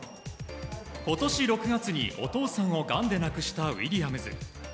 今年６月にお父さんをがんで亡くしたウィリアムズ。